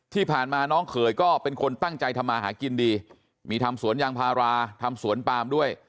ที่ผ่านมาน้องเขยก็เป็นคนตั้งใจทำมาหากินดีมีทำสวนยางพาราทำสวนปามด้วย